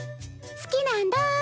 好きなんだぁ。